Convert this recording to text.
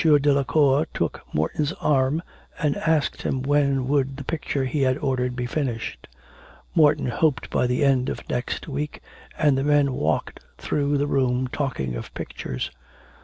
Delacour took Morton's arm and asked when would the picture he had ordered be finished. Morton hoped by the end of next week, and the men walked through the room talking of pictures...